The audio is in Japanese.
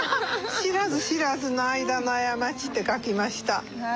「知らず知らずの間の過ち」って書きました。